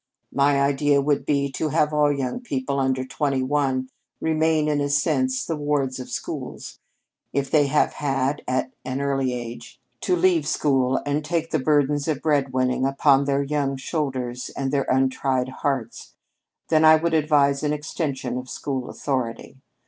My idea would be to have all young people under twenty one remain in a sense the wards of schools. If they have had, at any early age, to leave school and take the burdens of bread winning upon their young shoulders and their untried hearts, then I would advise an extension of school authority.